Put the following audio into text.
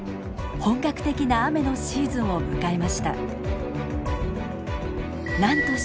本格的な雨のシーズンを迎えました。